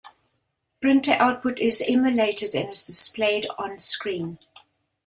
Printer output is emulated and is displayed on screen.